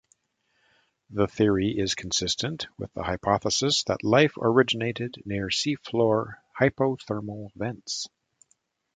The theory is consistent with the hypothesis that life originated near seafloor hydrothermal vents.